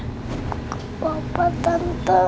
gak apa apa tante